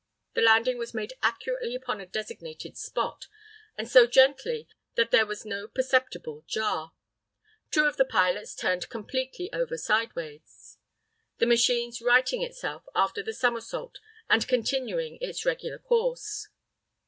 The landing was made accurately upon a designated spot, and so gently that there was no perceptible jar. Two of the pilots turned completely over sideways, the machine righting itself after the somersault and continuing its regular course.